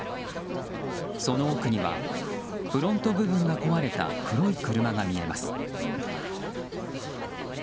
その奥にはフロント部分が壊れた黒い車が見えます。